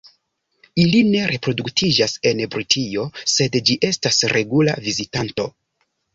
Ili ne reproduktiĝas en Britio, sed ĝi estas regula vizitanto.